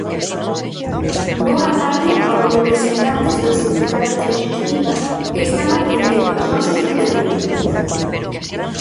Boa tarde aos representantes dos sindicatos de Xustiza que están atendendo ás nosas intervencións.